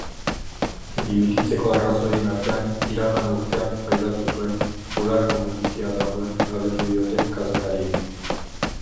Dimititzeko arrazoien artean iragan urtean pairatu zuen bularreko minbizia dagoen galdetu diote kazetariek.